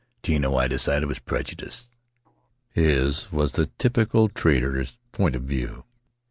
Tino, I decided, was prejudiced. His was the typical trader's point of view.